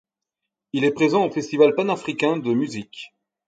Il est présent au Festival panafricain de musique.